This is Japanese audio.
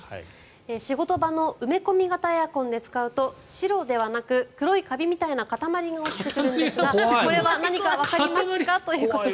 仕事場の埋め込み型エアコンで使うと白ではなく黒いカビみたいな塊が落ちてくるんですがこれは何かわかりますか？ということです。